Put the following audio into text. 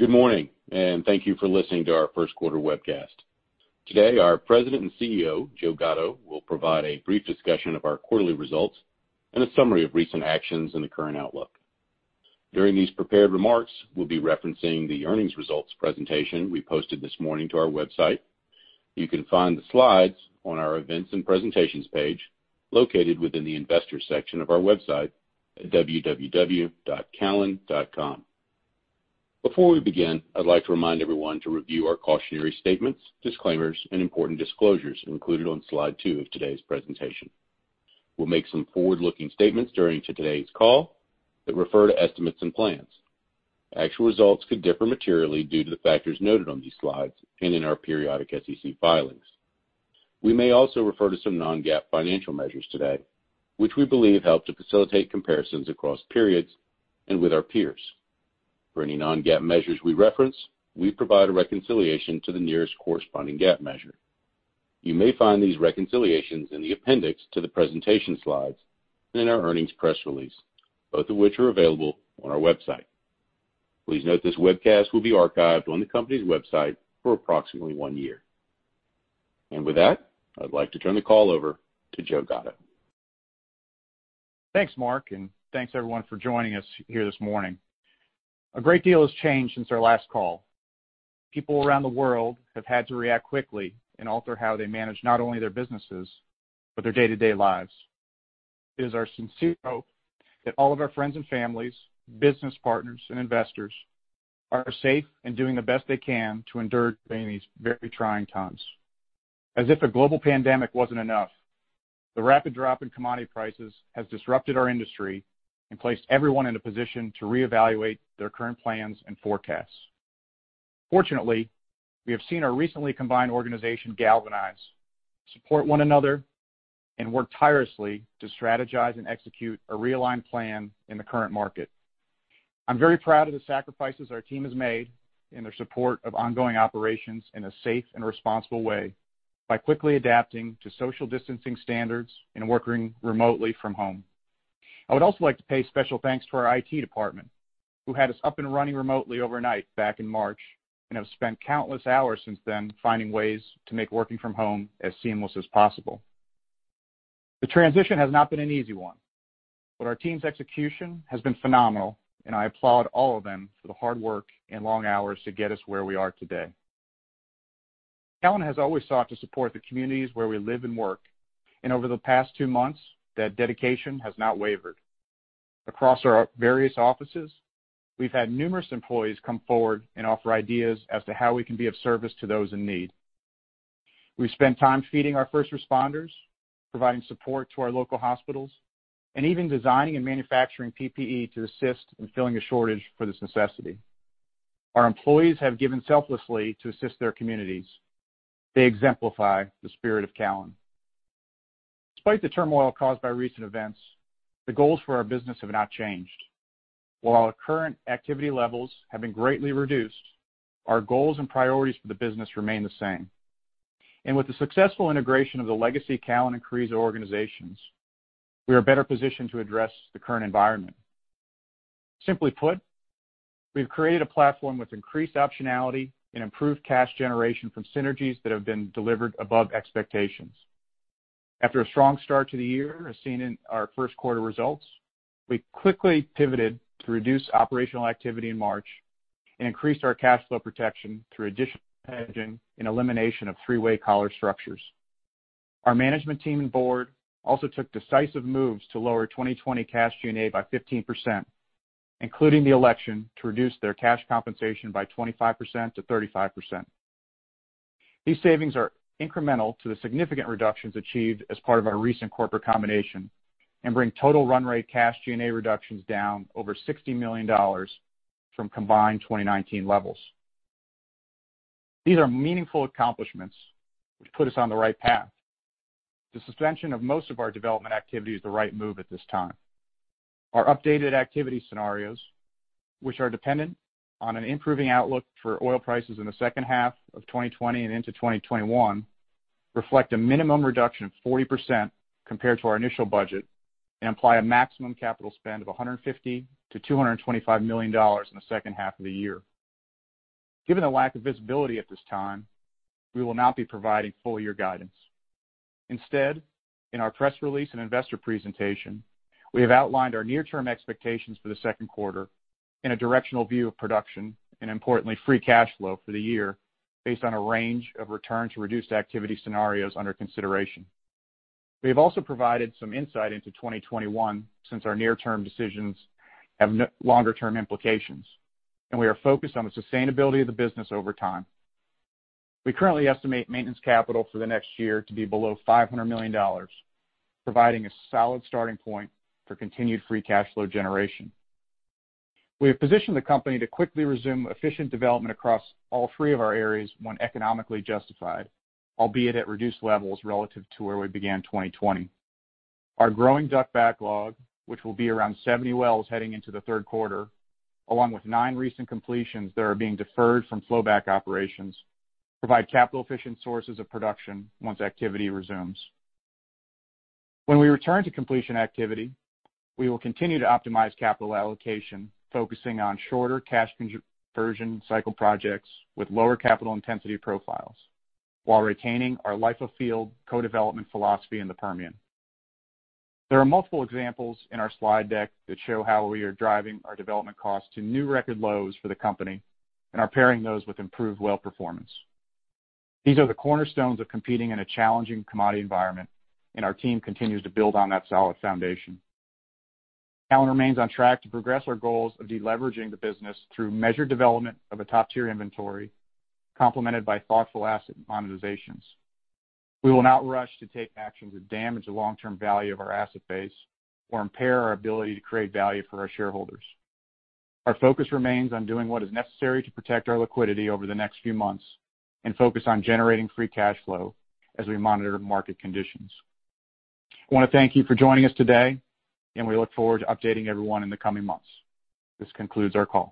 Good morning, thank you for listening to our first quarter webcast. Today, our President and CEO, Joe Gatto, will provide a brief discussion of our quarterly results and a summary of recent actions and the current outlook. During these prepared remarks, we'll be referencing the earnings results presentation we posted this morning to our website. You can find the slides on our Events and Presentations page, located within the Investors section of our website at www.callon.com. Before we begin, I'd like to remind everyone to review our cautionary statements, disclaimers, and important disclosures included on slide two of today's presentation. We'll make some forward-looking statements during today's call that refer to estimates and plans. Actual results could differ materially due to the factors noted on these slides and in our periodic SEC filings. We may also refer to some non-GAAP financial measures today, which we believe help to facilitate comparisons across periods and with our peers. For any non-GAAP measures we reference, we provide a reconciliation to the nearest corresponding GAAP measure. You may find these reconciliations in the appendix to the presentation slides and in our earnings press release, both of which are available on our website. Please note this webcast will be archived on the company's website for approximately one year. With that, I'd like to turn the call over to Joe Gatto. Thanks, Mark, and thanks, everyone, for joining us here this morning. A great deal has changed since our last call. People around the world have had to react quickly and alter how they manage not only their businesses, but their day-to-day lives. It is our sincere hope that all of our friends and families, business partners, and investors are safe and doing the best they can to endure during these very trying times. As if a global pandemic wasn't enough, the rapid drop in commodity prices has disrupted our industry and placed everyone in a position to reevaluate their current plans and forecasts. Fortunately, we have seen our recently combined organization galvanize, support one another, and work tirelessly to strategize and execute a realigned plan in the current market. I'm very proud of the sacrifices our team has made in their support of ongoing operations in a safe and responsible way by quickly adapting to social distancing standards and working remotely from home. I would also like to pay special thanks to our IT department, who had us up and running remotely overnight back in March and have spent countless hours since then finding ways to make working from home as seamless as possible. The transition has not been an easy one, but our team's execution has been phenomenal, and I applaud all of them for the hard work and long hours to get us where we are today. Callon has always sought to support the communities where we live and work, and over the past two months, that dedication has not wavered. Across our various offices, we've had numerous employees come forward and offer ideas as to how we can be of service to those in need. We've spent time feeding our first responders, providing support to our local hospitals, and even designing and manufacturing PPE to assist in filling a shortage for this necessity. Our employees have given selflessly to assist their communities. They exemplify the spirit of Callon. Despite the turmoil caused by recent events, the goals for our business have not changed. While our current activity levels have been greatly reduced, our goals and priorities for the business remain the same. With the successful integration of the legacy Callon and Carrizo organizations, we are better positioned to address the current environment. Simply put, we've created a platform with increased optionality and improved cash generation from synergies that have been delivered above expectations. After a strong start to the year, as seen in our first quarter results, we quickly pivoted to reduce operational activity in March and increased our cash flow protection through additional hedging and elimination of three-way collar structures. Our management team and board also took decisive moves to lower 2020 cash G&A by 15%, including the election to reduce their cash compensation by 25%-35%. These savings are incremental to the significant reductions achieved as part of our recent corporate combination and bring total run rate cash G&A reductions down over $60 million from combined 2019 levels. These are meaningful accomplishments which put us on the right path. The suspension of most of our development activity is the right move at this time. Our updated activity scenarios, which are dependent on an improving outlook for oil prices in the second half of 2020 and into 2021, reflect a minimum reduction of 40% compared to our initial budget and imply a maximum capital spend of $150 million-$225 million in the second half of the year. Given the lack of visibility at this time, we will not be providing full year guidance. Instead, in our press release and investor presentation, we have outlined our near-term expectations for the second quarter and a directional view of production, and importantly, free cash flow for the year based on a range of return to reduced activity scenarios under consideration. We have also provided some insight into 2021 since our near-term decisions have longer term implications, and we are focused on the sustainability of the business over time. We currently estimate maintenance capital for the next year to be below $500 million, providing a solid starting point for continued free cash flow generation. We have positioned the company to quickly resume efficient development across all three of our areas when economically justified, albeit at reduced levels relative to where we began 2020. Our growing DUC backlog, which will be around 70 wells heading into the third quarter, along with nine recent completions that are being deferred from flowback operations, provide capital-efficient sources of production once activity resumes. When we return to completion activity, we will continue to optimize capital allocation, focusing on shorter cash conversion cycle projects with lower capital intensity profiles while retaining our life of field co-development philosophy in the Permian. There are multiple examples in our slide deck that show how we are driving our development costs to new record lows for the company and are pairing those with improved well performance. These are the cornerstones of competing in a challenging commodity environment, and our team continues to build on that solid foundation. Callon remains on track to progress our goals of de-leveraging the business through measured development of a top-tier inventory complemented by thoughtful asset monetizations. We will not rush to take actions that damage the long-term value of our asset base or impair our ability to create value for our shareholders. Our focus remains on doing what is necessary to protect our liquidity over the next few months and focus on generating free cash flow as we monitor market conditions. I want to thank you for joining us today, and we look forward to updating everyone in the coming months. This concludes our call.